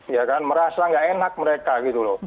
ya kan merasa gak enak mereka gitu loh